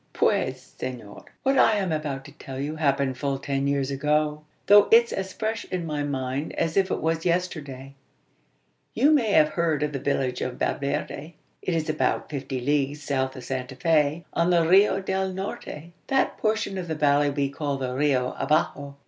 "Puez senor! what I am about to tell you happened full ten years ago, though it's as fresh in my mind as if it was yesterday. You may have heard of the village of Valverde? It is about fifty leagues south of Santa Fe, on the Rio del Norte that portion of the valley we call the Rio Abajo.